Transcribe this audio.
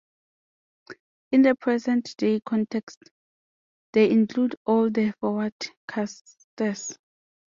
In the present-day context, they include all the forward castes.